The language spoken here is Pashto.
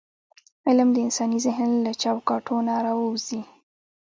علم د انساني ذهن له چوکاټونه راووځي.